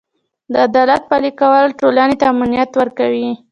د عدالت پلي کول ټولنې ته امن ورکوي.